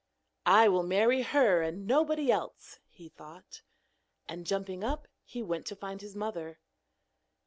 'I will marry her and nobody else,' he thought. And jumping up, he went to find his mother.